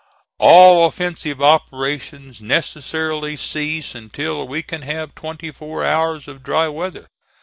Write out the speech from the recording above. All offensive operations necessarily cease until we can have twenty four hours of dry weather.